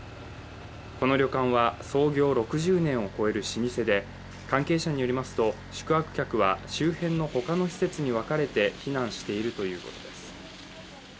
この旅館は創業６０年を超える老舗で関係者によりますと、宿泊客は周辺の他の施設に分かれて避難しているということです。